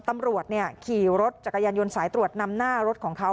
ตำรวจขี่รถจักรยานยนต์สายตรวจนำหน้ารถของเขา